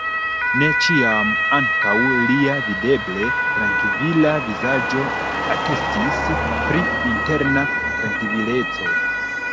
Ne ĉiam ankaŭ lia videble trankvila vizaĝo atestis pri interna trankvileco.